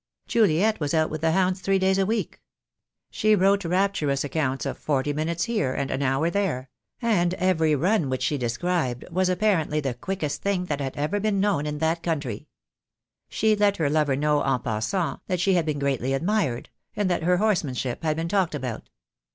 Juliet was out with the hounds three days a week. She wrote rapturous accounts of forty minutes here, and an hour there; and every run which she described was apparently the quickest thing that had ever been known in that country. She let her lover know en passant that she had been greatly admired, and that her horseman ship had been talked about.